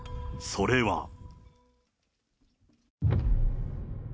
それは。